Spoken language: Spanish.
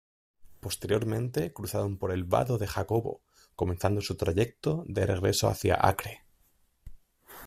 Posteriormente cruzaron por el vado de Jacobo, comenzando su trayecto de regreso hacia Acre.